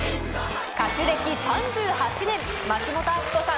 歌手歴３８年松本明子さん